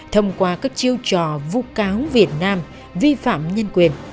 thông qua các chiêu trò vu cáo việt nam vi phạm nhân quyền